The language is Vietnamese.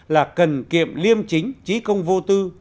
là cần kiệm liêm chính trí công vô tư